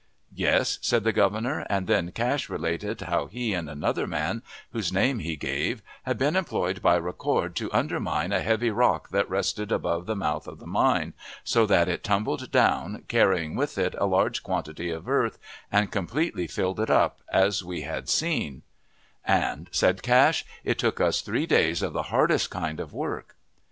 "Yes," said the Governor; and then Cash related how he and another man, whose name he gave, had been employed by Ricord to undermine a heavy rock that rested above the mouth of the mine, so that it tumbled down, carrying with it a large quantity of earth, and completely filled it up, as we had seen; "and," said Cash, "it took us three days of the hardest kind of work."